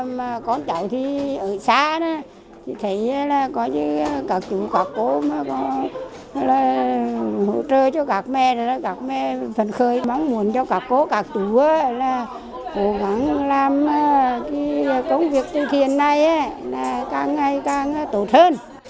mà con cháu thì ở xa thì thấy là có những các chú các cô mà có hỗ trợ cho các mẹ các mẹ phần khơi mong muốn cho các cô các chú là cố gắng làm công việc tiền này càng ngày càng tốt hơn